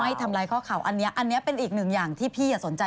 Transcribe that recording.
ไม่ทำร้ายข้อเข่าอันนี้เป็นอีกหนึ่งอย่างที่พี่สนใจ